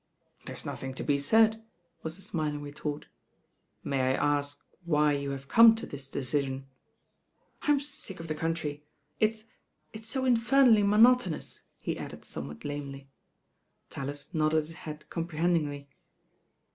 * "There's nothing to be said," was the smiling retort "May I ask why you have come to this deasion?" "I'm sick of the country. It's— it's so infernally mtmotonous," he added somewhat lamely. Tallis nodded his head comprehendin^y.